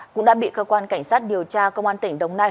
cũng đã bị cơ quan cảnh sát điều tra công an tỉnh đồng nai